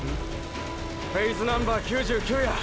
フェイズナンバー９９や！！